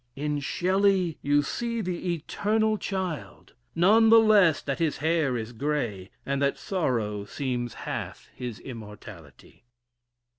In Shelley you see the eternal child, none the less that his hair is grey, and that sorrow seems half his immortality."